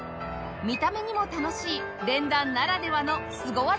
見た目にも楽しい連弾ならではのスゴ技が続出！